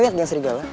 ngeliat geng serigala